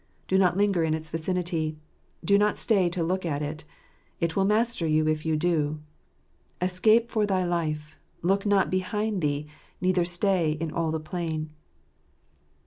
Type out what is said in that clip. Do nqt Linger in its vicinity. Do not stay to look at it. It will master you if you do. " Escape for thy life ; look not behind thee, neither stay in all the plain."